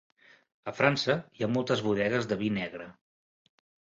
A França hi ha moltes bodegues de vi negre.